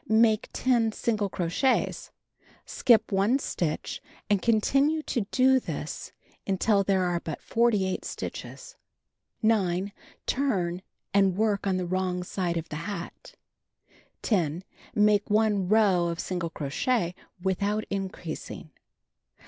Make 10 single crochets; skip 1 stitch and continue to do this until there are but 48 stitches. 9. Turn, and work on the wi'ong side of the hat. 10. Make 1 row of single crochet without increasing.